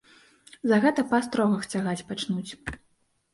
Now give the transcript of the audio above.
За гэта па астрогах цягаць пачнуць.